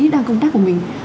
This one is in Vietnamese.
đang công tác của mình